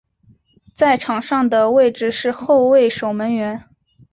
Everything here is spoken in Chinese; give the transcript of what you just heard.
在场上的位置是后卫守门员。